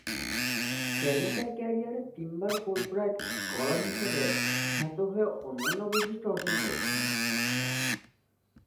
Carry তার ক্যারিয়ারে তিনবার ফুলব্রাইট স্কলার হিসাবে খ্যাত হয়ে অনন্য বৈশিষ্ট্য অর্জন করেছেন।